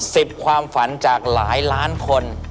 ความฝันจากหลายล้านคน